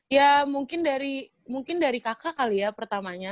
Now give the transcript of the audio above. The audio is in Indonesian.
ya mungkin dari kakak kali ya pertamanya